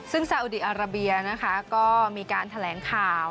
ซึ่งซาอุดีอาราเบียนะคะก็มีการแถลงข่าว